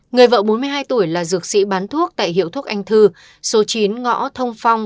người vợ bốn mươi hai tuổi là dược sĩ bán thuốc tại hiệu thuốc anh thư số chín ngõ thông phong